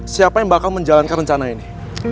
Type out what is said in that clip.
siapa yang bakal menjalankan rencana ini